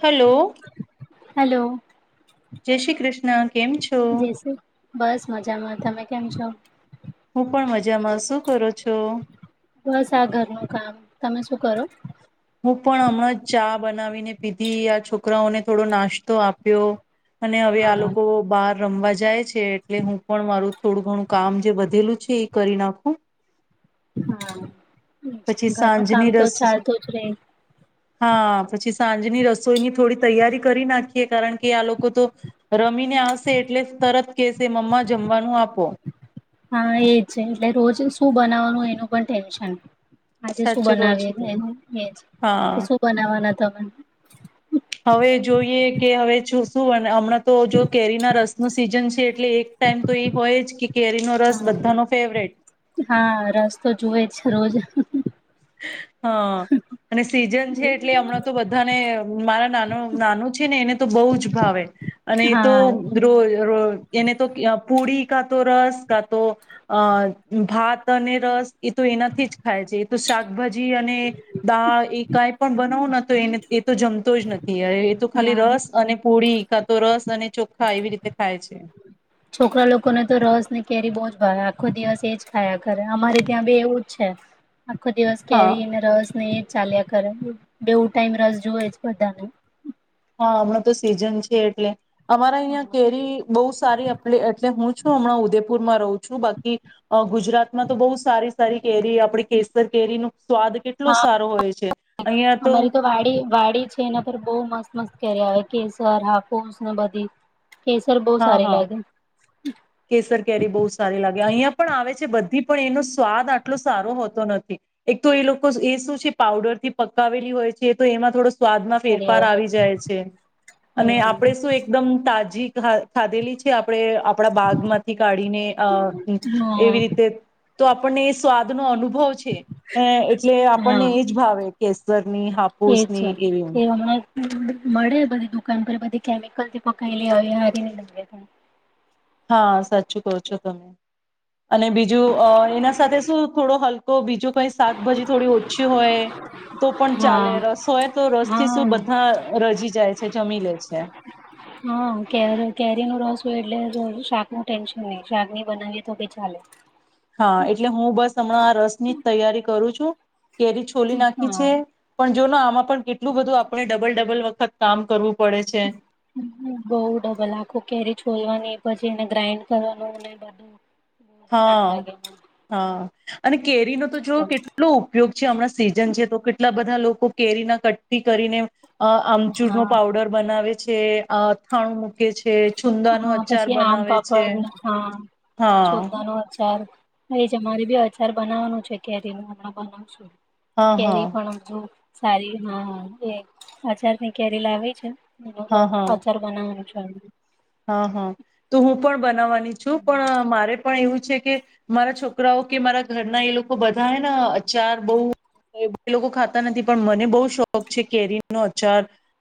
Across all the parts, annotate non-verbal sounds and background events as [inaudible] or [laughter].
Hello hello જય શ્રી કૃષ્ણ કેમ છો જય શ્રી બસ મજામાં તમે કેમ છો હું પણ મજામાં શું કરું છું બસ આ ઘરનું કામ તમે શું કરો હું પણ હમણાં ચા બનાવીને [unintelligible] આ છોકરાઓને થોડો નાસ્તો આપ્યો અને હવે આ હા લોકો બાર રમવા જાય છે એટલે હું પણ મારું થોડું ઘણું કામ જે વધેલું છે એ કરી નાખું. હા પછી ઘરનું કામ સાંજની તો રસ ચાલતું જ રે હા પછી સાંજની રસોઈની થોડી તૈયારી કરી નાખી. કે કારણ કે આ લોકો તો રમીને આવશે એટલે તરત કેશે મમ્મા જમવાનું આપો. હા એજ છે એટલે રોજ શું બનાવવાનું એનું પણ ટેન્શન આજે શું સાચું કહો બનાવીએ છો તમે એનું એજ તો હા શું બનાવવાના તમે હવે જોઈએ કે હવે શું હમણાં તો જો કેરીના રસ ન સીઝન છે એટલે એક ટાઈમ તો એ હોય જ કે કેરીનો રસ હા બધાનો ફેવરેટ હા રસ તો જુવે જ રોજ. હ હા અને સીઝન છે એટલે હમણાં તો બધાને મારા નાનો નાનું છે ને એને તો બહુ જ ભાવે. અને એ તો હા રો ર એને તો પુડી કા તો રસ કા તો અ ભાત અને રસ એ તો એનાથી જ ખાય છે. તો શાકભાજી અને દાળ એક કઈ પણ બનવુ ના તો એ એ તો જમતો જ નથી એ તો ખાલી હા રસ અને પ પોળી તો રસ અને ચોખા એવી રીતે ખાય છે. છોકરા લોકોને તો રસ ની કેરી બહુ જ ભાવે. આખો દિવસ એજ ખાયા ઘરે અમારે ત્યાં બી એવું જ છે. આપખો દિવસ કહે હા રહી હ મે રસને એક ચાલ્યા કરે બેવું ટાઈમ રસ જો હો જ બધાને હા હમણાં તો સીઝન છે એટલે અમારા અહં કેરી બહ સારી એટલે હું હું હમણાં ઉદેપુરમાં રહું છું બાકી ગુજરાતમાં તો બહુ સારી સારી કેરી આપડી કેસર કેરીનું હા અમારી તો વાડી વાડી છે એના પર બહ મસ્ત. મસ્ કર્યા કેસર હા પોસને બધી કેસર બહુ હા સાર હા લાગે. કેસર કેરી બહુ સારી લાગે અહિયાં પણ આવે છે બધી. પણ એનો સ્વાદ આટલો સારો હોતો નથી એક તો એ લોકો એ શું છે પાવડર થી પકાવેલી હોય છે તો એમાં થોડો સ્વાદમાં સારી ફેરફાર આવે આવી જાય છે અને બધી આપણેે શું એકદમ તાજી હા, ખાધેલી છે આપણે આપડા બાગ માંથી કાઢીને અહ હા એવી રીતે તો આપણને એ સ્વાદનો અનુ ભવ છે, અહ એટલે હા આપણને એજ ભાવે. કેસર ની, એજ હાફુસની છે એવીઓ. એ હમણાં મળે બધી દુકાન પર બધી કેમિકલ થી પકાયેલી હોય [unintelligible] હા સાચું કહો છો તમે. અને બી જું અહ એના સાથે શું થોડો હલ તો બીજું કઈ સ શાકભાજી થોડી ઓછી હોય, તો પણ ચાલે, હા રસ હોય તો રસ થી શું હા બધા રજી જાય છે, જમી લે છે. હા કેર કેરીનો રસ હોય એટલે જો શાક નું ટેન્શન નહીં, શાક નહી બનાવીએ તો ભી ચાલે. હા એટલે હું બસ હમણાં આ રસ ની જ તૈયારી કરું છ છું. કેરી છોલી નાખી હા છે, પણ જોને આમાં પણ કેટલું બધું આપણે ડબલ-ડબલ વખત કામ કરવું પડે છે બઉ ડબલ, આખું કેરી છોલવાની પછી એને ગ્રાઇન્ડ કરવાનું ન બ હા હા અને કેરીનો તો જો કેટલો ઉપયોગ છે હમણાં સીઝન છે તો કેટલા બધા લોકો લોકો કેરી ના કઠઠી કરીને અ આમચૂર નો હા પાવડર બનાવે છે. છે અ અથાણું મૂકે છે. છુંદાનો હા અચાર પછી આમ બનાવે છે પાપડ હા. હા જોતાનો અ જમારે બી અચાર બનાવાનું છે કેરી ન હમણા બનાવશું. હા હા કેરી પણ છું. સારી હા એ આજાર ની કેરી લાવે છે. હા હા કજાર બનાવ હમ. હા હા તો હું પણ બનાવવાની છું પણ મારે પણ એવું કે મારા છોકરાઓ કે મારા ઘરના એ લોકો બધા હ અચાર બહ એ લોકો ખાતા નથી પણ મને બહ શોખ છે કેરી ન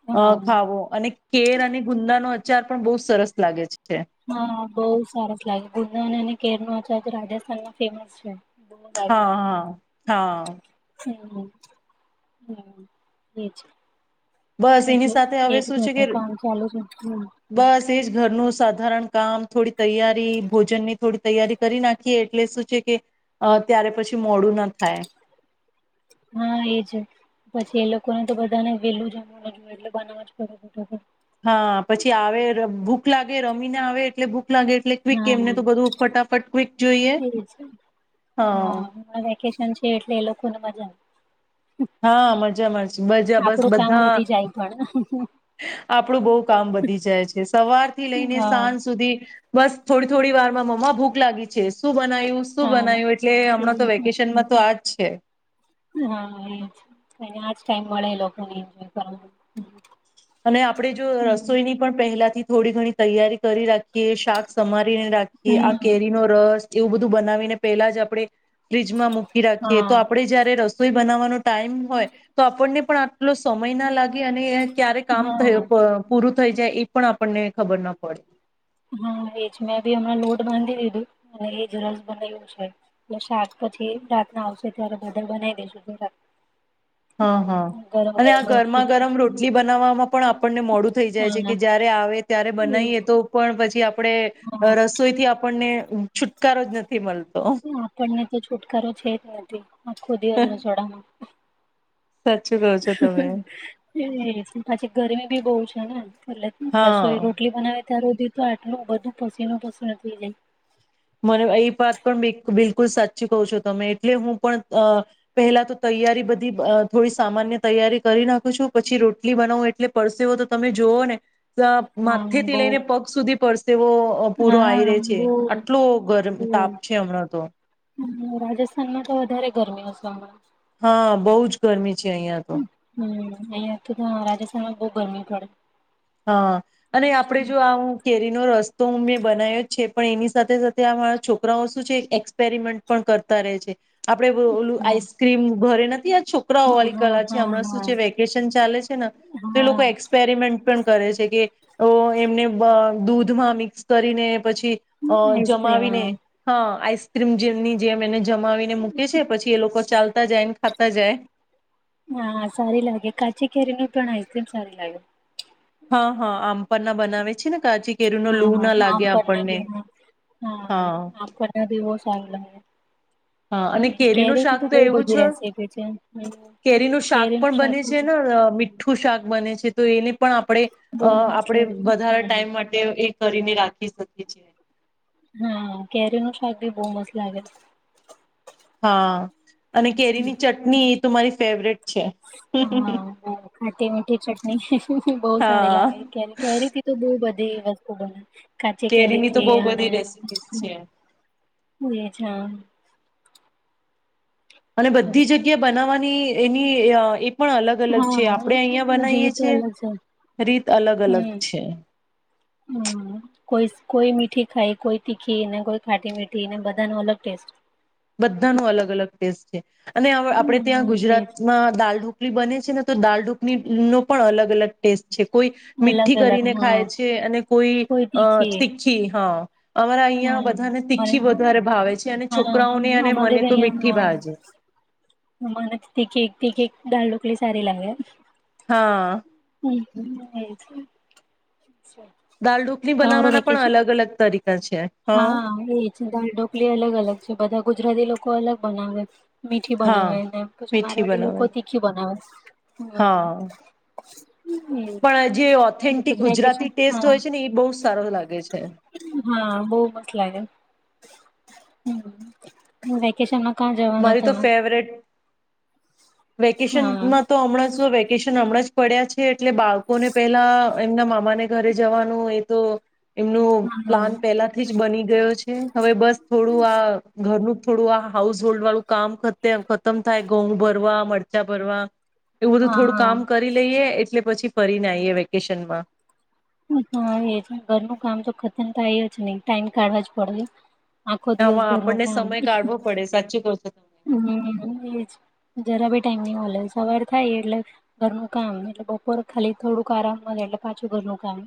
હા ખાવો અને કેર અને ગુંદાનો ગર પણ બ સરસ લાગે છે હા બહુ સરસ લાગે ગુંદાને કેર ન રાજસ્થાન માં ફેમસ છે બહુ સારું હા હા હા હ હા એ છે બસ એની સાથે હવે શું છે કે કામ ચાલુ છે હમ [unintelligible] એજ ઘરનું સાારણ કામ થોડી તૈયારી ભોજનની થોડી તૈયારી કરી નાખીએ એટલે શું છે કે ત્યારે પછી મોડું ના થાય હા એજ પછી એ લોકોને તો બધાને વેલું જમું ન જો એટલે બનાવ જ ખ હા પછી આવે ભૂખ લાગે રમીને આવે એટલે ભૂખ લાગે એટલે ક્વિક હા એમને તો બધું ફટાફટ ક્વિક જોઈએ એ હ હા વેકેશન છે એટલે એ લોકો ને મજા આવે હા મજામાં મજા આવે બસ આપડું કામ બધા વધી જાય પણ આપણું [unintelligible] કામ વધી જાય છે સવાર થી લઈને હા સાંજ સુધી બસ થોડી થોડી વાર માં મમ્મા ભૂખ લાગી છે શું શ બનાવ્યું શું હા બનાવ્યું એટલે હમણાં તો વેકેશનમાં તો આજ છે હા એજ અને આજ ટાઈમ મળે લોકોને એજય અને આપણેે જો રસોઈની પણ પહેલાથી થોડી ઘણી તૈયારી કરી રાખીએ શાક સમારે. ને રાખી આ હમ કેરી નો રસ એવું બધું બનાવીને પેલા જ આપણે ફ્રીજમાં મુક. રાખીએ તો હા આપડણે જયારે ર બનાવાનો ટાઈમ હોય તો આપણને પણ આટલો સમય ના લાગે? એને એ ક્યારે કામ હા થ પૂરું થઈ જાય એ પણ આપણને ખબર ના પડે? હા એજ મેં બી હમણાં લોટ બાંધી [unintelligible] અને એ જ રસ બના્યું છે એટ શાક પછી રાતના આવશે ત્યારે બધળ બનાવી દેશું હા હા અને આ ગરમા ગરમ રોટલી બનાવવામાં પણ આપણને મોડું થઈ જાય છે હા કે જયારે આવે ત્યારે બનાવીએ એજ તો પણ પછી? આપણે હા રસોઈથી આપણને છુટકારો જ નથી મળતો. આપણને તો છુટકારો છે જ નથી આ ખોદીઓ જ રસોડામાં. સાચું કહો છો તમે એ પાછી ગરમી બી બહુ છે. ના ના બ રસોઈ હા રોટલી બનાવી. અત્યાર સુધી તો આટલું બધું પસીનું પસ જઈ. મને એ વાત બિલ ક બિલ બૌ સાચું કયો છો તમે એટલે હું પણ પહેલા તો તૈયારી બધી થોડી સામાન્ય તૈયારી કરી નાખું છું પછી રોટલી બનાવો એટલે પડસે હોો તો તમે જોુઓ ને. હા માથેથી બહુ લઈને પગ સુધી પડશે. તેવો પૂરો આવી ર્યો છે. ગરમ તાપ છે હમણાં તો હ રાજસ્થાનમાં તો વધારે ગરમી. [inaudible] હા બહુ જ ગરમી છે અહિયાં તો. હમ અહિયાં તો રાજસ્થાનમાં બહુ ગરમી પડે. હ અને આપડે જો આવું કેરીનો રસ્તો. તો હું મેં બનાવ્યો જ છે પણ એની સાથે સાથે આમારા છોકરાઓ શું છે એક્સપેરિમેન્ટ પણ કરતા રહે છે. આપડે બોલું હા આઈસક્રીમ ઘરે નથી. [inaudible] છોકરાઓ હા વાળી હા કલા છે હમણાં શું હા છે વેકેશન ચાલે છે ને તો એ હા લોકો એક્સપેરિમેન્ટ પણ. કરે છે કે અ કેબ દૂધમાં મિક્સ કરીને.? પછી જમાવીનેઅ આઈસ્ક્રીમ હા આઈ. જેમની જેમ એને જમાવીને મૂકે છે પછી એ લોકો. ચાલતા જાય ને ખાતા જાય. હા સારી લાગે કાચી કેરી ન પણ આમ સારી લાગે. હા હા આમપ ના બનાવે. છે ને કાચી કેરીનો હા લૂ ના હા આમ લાગે ભના બ આપણને હા હા આમ કરના બ વ. ચ. હા અને કેરીનું શાક તો એવું છે રેસીપી છે. હમ કેરીનું શાક પણ બને છે ને મીઠું શાક બને છે. [unintelligible] પણ આપણે બહુ મસ્ત આપણે લાગે. વધારે હમ ટાઈમ માટે એક કરીને રાખી શકી છે. હા કેરી નું શાક ભી બહ મસ્ત લાગે. હા અને કેરીની ચટણી એ તો મારી ફેવરેટ છે. હા ખાટી મીઠ ચટણી બહ સારી હા લાગે કેરીથી તો બ બ વસ્તુ બને. કાચી કેરીની તો કેરી બહુ અને બધી રેસીપીસ છે બેઠા અને બધી જગ્યા બનાવવાની તે એની અ પણ અલગ અલગ હા, છે. આપણે અહિયા બનાવીએ રીત છે અલગ રીત અલગ અલગ છે. હમ્મ, કોઈ કોઈ મીઠી ખાય, કોઈ તીખી ને કોઈ ખાટી મીઠી ને બધા ન અલગ ટેસ્ટ. બધાનો અલગ અલગ ટેસ્ટ છે. આને આપણે હમ એજ ગુજરાતમાં દાળ ઢોક લી બને છે ને તો દાલ ઢોકળી નો પણ અલગ અલગ ટેસ્ટ છે. કોઈ અલગ મીઠી અલગ કરીને હા ખાય છે અને કોઈ અ તીખી હા. અમારા અહિયાં હમ બધાને મને તીખી વધારે ભાવે છે અને છો હા અમારે ભાઈને હા મને તીખી તી કેક દાલડોકલી સારી લાગે એમ. હા. હમ્મ. દાલ ઢોકલી બનાવવાના પણ અલગ અલગ તરી હા એ છે દાલ ઢોકલી અલગ અલગ છે બધા ગુજરાતી લોકો અલગ બનાવે છે. મીઠી હા બનાવે પછી મીઠી મારાવાડી લોકો બનાવે તીખી બનાવે. હમ્મ. [inaudible] હા પણ જે ઓથેન્ટિક વેકેશન ગુજરાતી ટેસ્ટ હા હોય છે ને એ બહુ સારો લાગે છે. બહું મસ્ત લાગે. હમ્મ. હું વેકેશન માં મારી તો ફેવરેટ વેકેશન હા માં તો હમણાં શું વેકેશ શન હમણાં જ પડ્યા છે, એટલે બાળકોને પેલા એમના મામાને ઘરે જવાનું એ તો એમનું હા પ્લાન પેલાથી જ બની ગયો છે. હવે બસ થોડું આ ઘરનું થોડું આ હાઉસ હોલ્ડ વાળું કામ ખતે ખતમ થાય ઘઉં ભરવા મરચા ભરવા એવું બધું હા થોડું કામ કરી લઈએ એટલે પછી ફરીને આઈએ વેકેશનમાં. હા એ છે. ઘરનું કામ તો ખતમ થાય જ નહીં, ટાઈમ કાઢવા જ પડવે. આમાં આપણને સમય કાઢવો પડે, સાચું કહો છો તમે. હમ્મ, એજ. જરા બી ટાઈમ નહીં મલે. સવાર થાય એટલે ઘરનું કામ, એટલે બપોરે ખાલી થોડુંક આરામ મલે, એટલે પાછું ઘરનું કામ.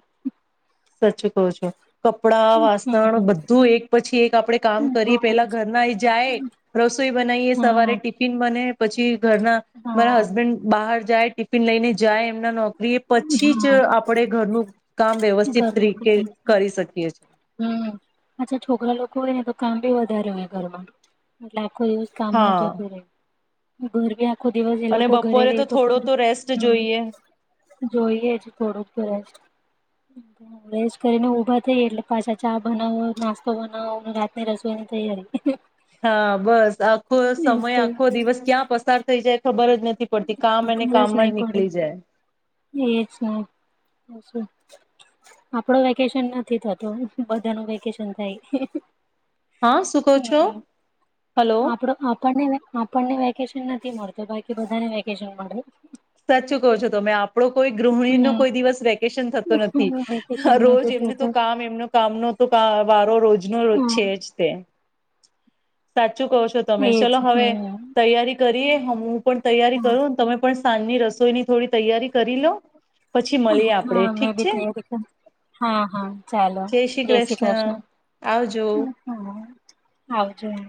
સચું કહો છો. કપડા, હમ વાસણ બધું એક પછી એક આપડે કામ કરીએ, પેલા ઘર હા ના એ જાય, રસોઈ બનાઈએ, સવારે હા ટિફિન બને પછી ઘરના મારા હા હસબેન્ડ બહાર જાય ટિફિન લઈને જાય એમના નો એ પછી જ આપણે ઘરનું કામ વ્યવસ્થિત તરીકે કરી શકીએ છીએ અચ્છા છોકરા લોકો હોય ને તો કામ બી વધારે ઘરમાં એ કોઈ જ કામમાં હા જતું રહે. ભુરગ્યા અને બપોરે તો થોડો તો રેસ્ટ હમ જોઈએ. જોઈએ જ થોડુંક વસ્ટ કરીને ઉભા થઈએ એટલે પાછા ચા બનાવો નાસ્તો બનાવો રાતની રસોઈની તૈયારી હા બસ. આખો એજ સમય તો આખો દિવસ ક્યાં પસાર થઈ જાય. ખબર જ નથી. પડતી કામ અને ખબર જ કામમાં નહી પડે નીકળી જાય. એજ નેું આપડો વેકેશન નથી થતું બધા ન વેકેશન થાય. હા શું કહો છો હલો આપ આપ આપને નથી મળતો બાકી બધાને વેક કે જે [unintelligible] સાચું કહો છો તમે આપ આપડો કોઈ ગૃહિણી નો કોઈ દિવસ વેકેશન થતો નથી હમ વેકેશન રોજ નથી એમને તો થતું. કામ એમનો કામનો તો વારો રોજનો હમ છે જ તે સાચ ચૂ કહો છો તમે એજ ચલો હવે હમ તૈયારી કરીએ હવે પણ તૈયારી કરો તમે પણ સાંજની રસોઈની થોડી તૈયારી કરી લો. પછી મળીએ આપણેે હા મે ઠીક બી છે તૈયારી કર. હા હા ચાલો જય શ્રી કૃષ્ણ. આવજો. જમ